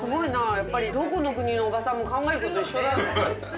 やっぱりどこの国のおばさんも考えることは一緒だ！